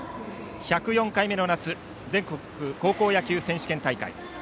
１０４回目の夏全国高校野球選手権大会。